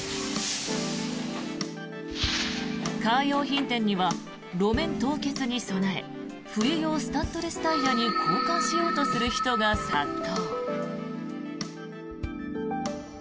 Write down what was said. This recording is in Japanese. カー用品店には路面凍結に備え冬用スタッドレスタイヤに交換しようとする人が殺到。